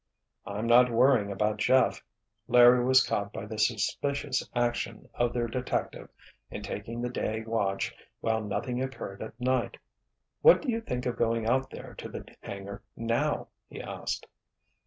"I'm not worrying about Jeff." Larry was caught by the suspicious action of their "detective" in taking the day watch while nothing occurred at night. "What do you think of going out there to the hangar now?" he asked.